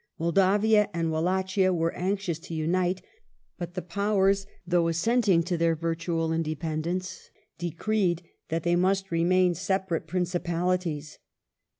Moldavia and Wallachia were anxious to unite, but the Powei s, though assenting to their vu tual independence, decreed that they must remain separate principalities.